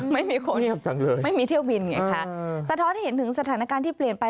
ไม่มีคนไม่เที่ยวบินไงคะสะท้อนเห็นถึงสถานการณ์ที่เปลี่ยนไป